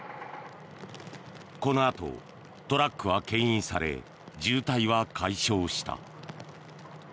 このあとトラックはけん引され渋滞は解消した。